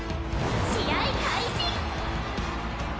試合開始！